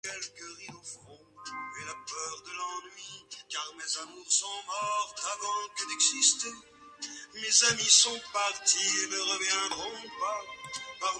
Depuis la plus haute antiquité, le pays est peuplé sans discontinuité.